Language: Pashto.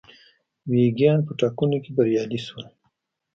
ویګیان په ټاکنو کې بریالي شول.